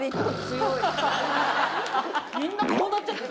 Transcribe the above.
みんなこうなっちゃって。